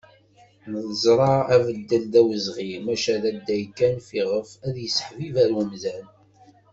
Neẓra abeddel d awezɣi, maca d adday kan fiɣef ad yesseḥibiber umdan.